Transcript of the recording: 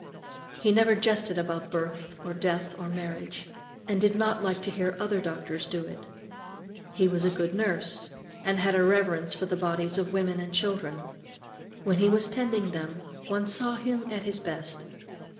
He never jested about birth or death or marriage, and did not like to hear other doctors do it. He was a good nurse, and had a reverence for the bodies of women and children. When he was tending them, one saw him at his best.